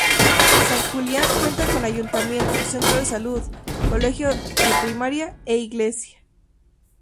San Julian cuenta con ayuntamiento, centro de salud, colegio de primaria e iglesia.